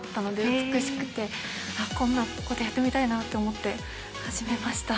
こんなことやってみたいなと思って始めました。